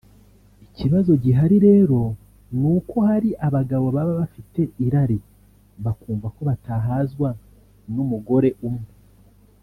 Ikibazo gihari rero nuko hari abagabo baba bafite irari bakumva ko batahazwa n’umugore umwe